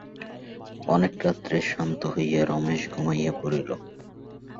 অনেক রাত্রে শ্রান্ত হইয়া রমেশ ঘুমাইয়া পড়িল।